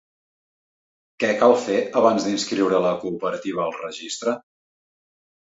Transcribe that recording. Què cal fer abans d'inscriure la cooperativa al registre?